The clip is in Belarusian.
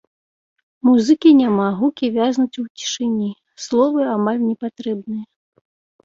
Музыкі няма, гукі вязнуць у цішыні, словы амаль не патрэбныя.